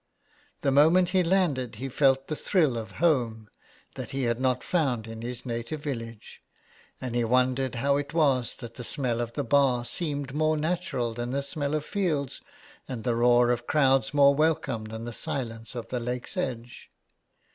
The moment he landed he felt the thrill of home that he had not found in his native village, and he wondered how it was that the smell of the bar seemed more natural than the smell of fields, and the roar of crowds more welcome than the silence of the lake's edge.